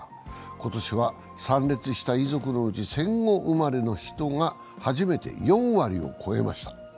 今年は参列した遺族のうち戦後生まれの人が初めて４割を超えました。